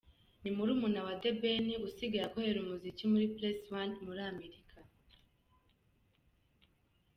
Ni murumuna wa The Ben, usigaye akorera umuziki muri PressOne muri Amerika.